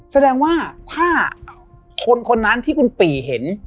แสดงว่าถ้าคนคนนั้นที่คุณปี่เห็น